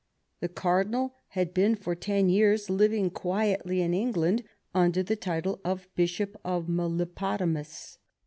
The Cardinal had been for ten years living quietly in England under the title of Bishop of Melipotamus.